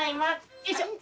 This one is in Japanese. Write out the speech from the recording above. よいしょ！